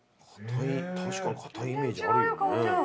確かにかたいイメージあるよね。